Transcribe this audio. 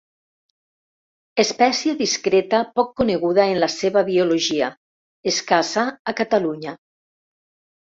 Espècie discreta poc coneguda en la seva biologia, escassa a Catalunya.